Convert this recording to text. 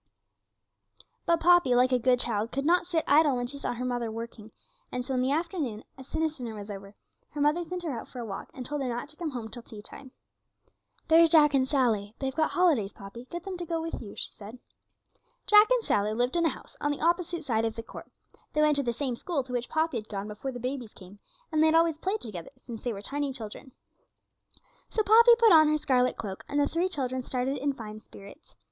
But Poppy, like a good child, could not sit idle when she saw her mother working, and so in the afternoon, as soon as dinner was over, her mother sent her out for a walk, and told her not to come home till tea time. 'There's Jack and Sally, they've got holidays, Poppy; get them to go with you,' she said. Jack and Sally lived in a house on the opposite side of the court; they went to the same school to which Poppy had gone before the babies came, and they had always played together since they were tiny children. So Poppy put on her scarlet cloak, and the three children started in fine spirits.